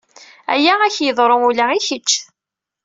Aya ad ak-yeḍru ula i kečč.